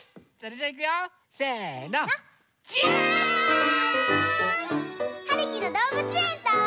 ジャーン！はるきのどうぶつえんと。